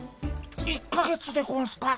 １か月でゴンスか？